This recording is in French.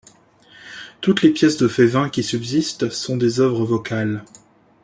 Toutes les pièces de Févin qui subsistent sont des œuvres vocales.